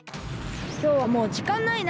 きょうはもうじかんないな。